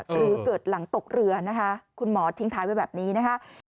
หรือเกิดหลังตกเรือนะคะคุณหมอทิ้งท้ายไว้แบบนี้นะคะ